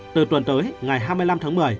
từ tuần tới ngày hai mươi năm tháng một mươi